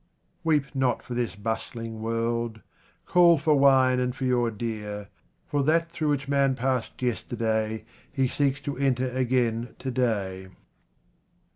Weep not for this bustling world, call for wine and for your dear, for that through which man passed yesterday, he seeks to enter again to day.